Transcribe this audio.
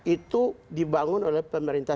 itu dibangun oleh pemerintah